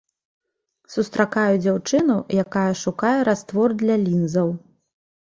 Сустракаю дзяўчыну, якая шукае раствор для лінзаў.